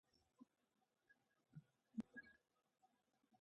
افغانستان د آب وهوا د پلوه ځانته ځانګړتیا لري.